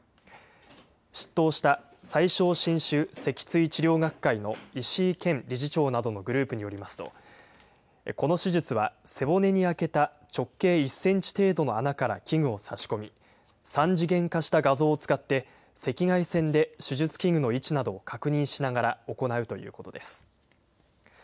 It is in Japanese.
執刀した最小侵襲脊椎治療学会の石井賢理事長などのグループによりますとこの手術は背骨に開けた直径１センチ程度の穴から器具を差し込み３次元化した画像を使って赤外線で手術器具の位置などを確認しながら行うということです。